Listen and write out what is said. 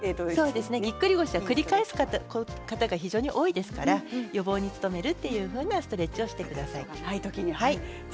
ぎっくり腰は繰り返す方が多いですので予防に努めるというストレッチをしてください。